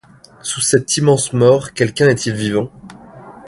Sous cette immense mort quelqu’un est-il vivant ?